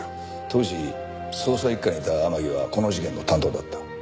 当時捜査一課にいた天樹はこの事件の担当だった。